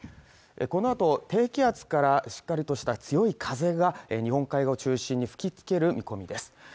このあと低気圧からしっかりとした強い風が日本海を中心に吹き付ける見込みです